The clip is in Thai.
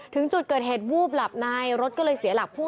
ถึงจุดเกิดเหตุวูบหลับในรถก็เลยเสียหลักพุ่ง